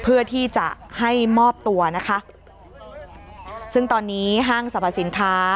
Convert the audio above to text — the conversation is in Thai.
เพื่อที่จะให้มอบตัวนะคะซึ่งตอนนี้ห้างสรรพสินค้า